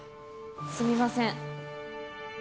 すみません。